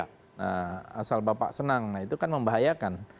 karena itu bisa jadi yang menyebabkan kegagalan